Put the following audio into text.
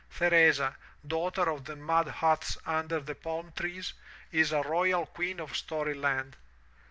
Theresa, daughter of the mud huts under the palm trees, is a royal queen of story land.